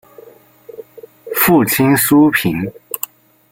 父亲苏玭。